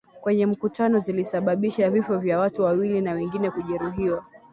kwenye mkutano zilisababisha vifo vya watu wawili na wengine kujeruhiwa